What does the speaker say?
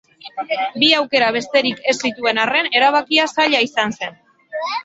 Bi aukera besterik ez zituen arren, erabakia zaila izan zen.